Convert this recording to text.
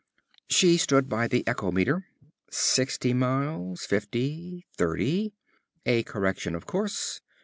She stood by the echometer. Sixty miles. Fifty. Thirty. A correction of course.